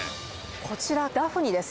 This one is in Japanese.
こちらダフニです。